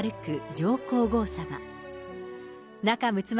上皇后さま。